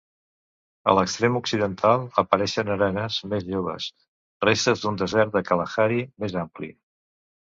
A l'extrem occidental apareixen arenes més joves, restes d'un desert de Kalahari més ampli.